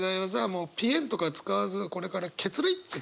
もう「ぴえん」とか使わずこれから「血涙」って。